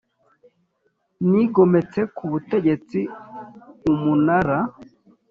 Nigometse ku butegetsi Umunara